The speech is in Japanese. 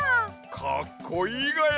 かっこいいがや！